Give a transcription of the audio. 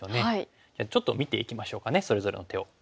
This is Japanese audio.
じゃあちょっと見ていきましょうかねそれぞれの手を。